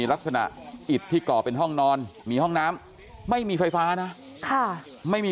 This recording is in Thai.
ลักษณะอิดที่ก่อเป็นห้องนอนมีห้องน้ำไม่มีไฟฟ้านะไม่มี